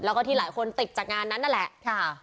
แล้วก็ที่หลายคนติดจากงานนั้นนั่นแหละค่ะ